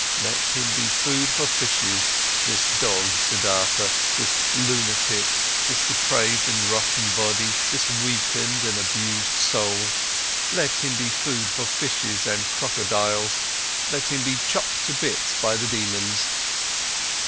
Let him be food for fishes, this dog Siddhartha, this lunatic, this depraved and rotten body, this weakened and abused soul! Let him be food for fishes and crocodiles, let him be chopped to bits by the daemons!